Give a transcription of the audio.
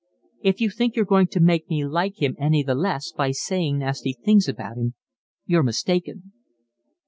"If you think you're going to make me like him any the less by saying nasty things about him, you're mistaken."